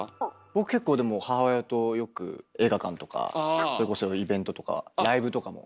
僕結構でも母親とよく映画館とかそれこそイベントとかライブとかも。